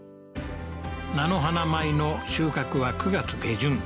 菜の花米の収穫は９月下旬